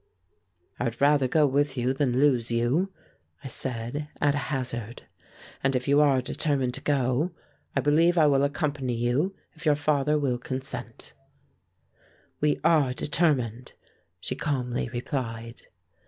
"I would rather go with you than lose you," I said at a hazard, "and if you are determined to go, I believe I will accompany you if your father will consent." "We are determined," she calmly replied.